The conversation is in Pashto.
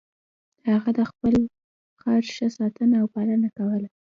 هغه د خپل خر ښه ساتنه او پالنه کوله.